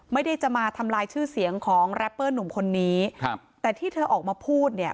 ไม่ได้จะมาทำลายชื่อเสียงของแรปเปอร์หนุ่มคนนี้ครับแต่ที่เธอออกมาพูดเนี่ย